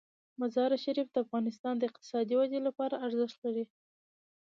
مزارشریف د افغانستان د اقتصادي ودې لپاره ارزښت لري.